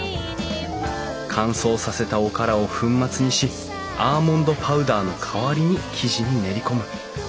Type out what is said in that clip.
乾燥させたおからを粉末にしアーモンドパウダーの代わりに生地に練り込む。